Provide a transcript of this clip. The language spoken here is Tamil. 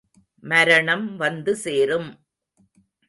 மரணம் வந்து சேரும்!